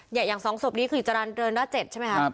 อย่างสองศพนี้คือจรรย์เรือนล่ะเจ็ดใช่มั้ยครับ